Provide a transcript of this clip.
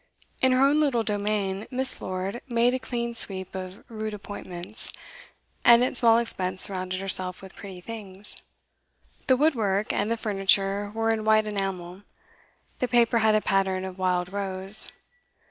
In her own little domain, Miss. Lord made a clean sweep of rude appointments, and at small expense surrounded herself with pretty things. The woodwork and the furniture were in white enamel; the paper had a pattern of wild rose.